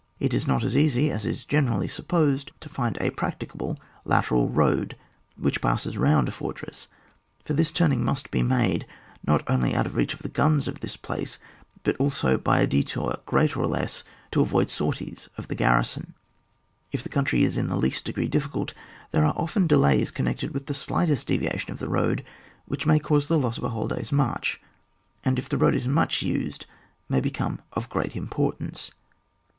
It is not as easy as is generally sup posed to find a practicable lateral road which passes round a fortress, for this turning must be made, not only out of reach of the guns of this place, but also by a detour greater or less, to avoid sorties of the garrison. If the country is in the least degree difficult, there are often delays connected with the slightest deviation of the road which may cause the loss of a whole day's march, and, if the road is much iiBed, may become of great importance.